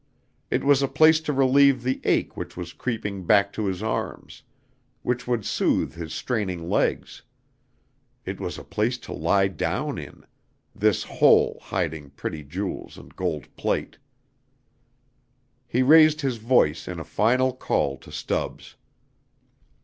It was a place to relieve the ache which was creeping back to his arms; which would soothe his straining legs. It was a place to lie down in this hole, hiding pretty jewels and gold plate. He raised his voice in a final call to Stubbs.